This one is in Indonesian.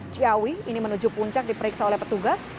ciawi ini menuju puncak diperiksa oleh petugas